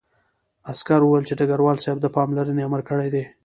عسکر وویل چې ډګروال صاحب د پاملرنې امر کړی دی